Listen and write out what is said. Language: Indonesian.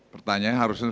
pertanyaan yang harusnya